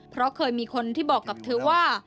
เพราะเคยมีคนที่บอกกับเธอว่า